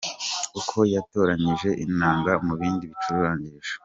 Uko yatoranyije inanga mu bindi bicurangisho.